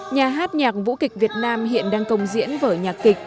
nhà hát nhạc vũ kịch việt nam hiện đang công diễn vở nhạc kịch